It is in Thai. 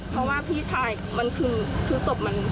เพราะว่าพี่ชายมันคือศพมัน